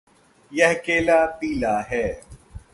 यह केला पीला है।